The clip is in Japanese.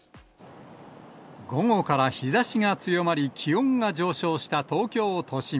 午後から日ざしが強まり、気温が上昇した東京都心。